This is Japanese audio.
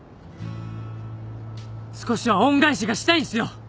少しは恩返しがしたいんすよ。